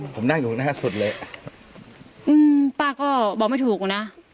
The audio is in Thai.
ผมนั่งอยู่หน้าสุดเลยอืมป้าก็บอกไม่ถูกอยู่นะ